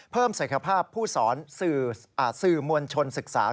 เพิ่มสัญคภาพผู้สอนสื่อมวลชนศึกษา